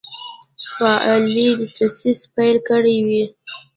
فعالي دسیسې پیل کړي وې.